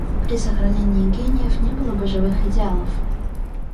При сохранении гениев не было бы живых идеалов.